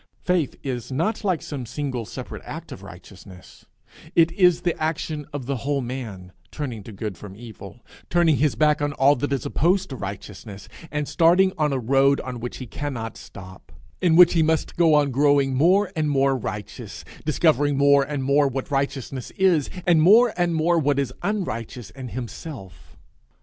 It is not like some single separate act of righteousness; it is the action of the whole man, turning to good from evil turning his back on all that is opposed to righteousness, and starting on a road on which he cannot stop, in which he must go on growing more and more righteous, discovering more and more what righteousness is, and more and more what is unrighteous in himself.